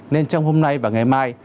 nên trong hôm nay và ngày mai